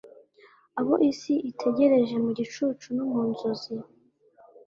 Abo isi itegereje mu gicucu no mu nzozi